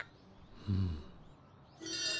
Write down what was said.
うん。